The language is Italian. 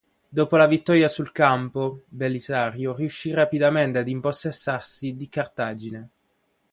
Dopo la vittoria sul campo, Belisario riuscì rapidamente ad impossessarsi di Cartagine.